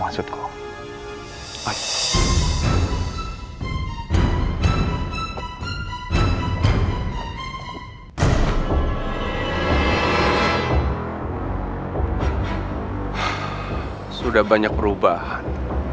sudah banyak perubahan